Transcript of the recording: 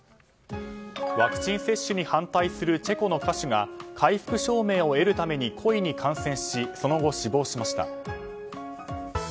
ワクチン接種に反対するチェコの歌手が回復証明を得るために故意に感染しその後、死亡しました。